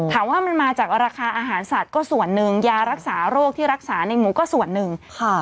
ถามว่ามันมาจากราคาอาหารสัตว์ก็ส่วนหนึ่งยารักษาโรคที่รักษาในหมูก็ส่วนหนึ่งค่ะ